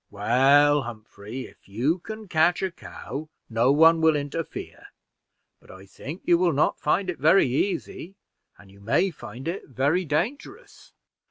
"Well, Humphrey, if you can catch a cow, no one will interfere; but I think you will not find it very easy, and you may find it very dangerous."